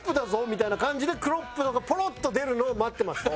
みたいな感じで「クロップド」がポロッと出るのを待ってます。